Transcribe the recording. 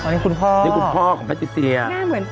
อ๋อนี่คุณพ่อนี่คุณพ่อของพระเจศรียะ